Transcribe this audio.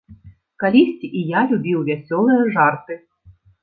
Калісьці і я любіў вясёлыя жарты.